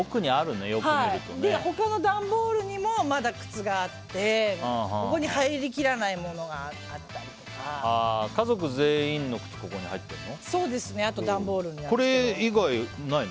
他の段ボールにもまだ靴があってここに入りきらないものが家族全員の靴がここに入っているの？